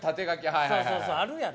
そうそうそうあるやろ？